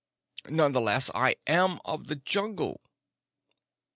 None the less, I am of the Jungle!"